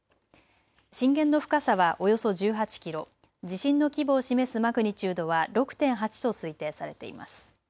震源の深さはおよそ１８キロ、地震の規模を示すマグニチュードは６．８と推定されています。